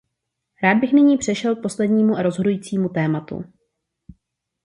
Rád bych nyní přešel k poslednímu a rozhodujícímu tématu.